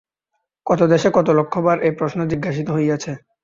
কত দেশে কত লক্ষ বার এই প্রশ্ন জিজ্ঞাসিত হইয়াছে।